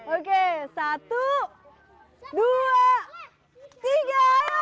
oke satu dua tiga